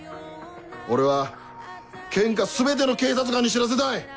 俺は県下全ての警察官に知らせたい！